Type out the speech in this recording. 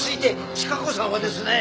チカ子さんはですね。